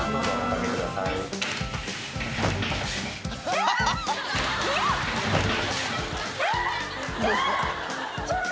えっ？